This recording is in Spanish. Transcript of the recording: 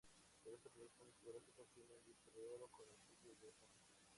Por esta producción discográfica, obtienen "Disco de Oro", con el Sello Geffen.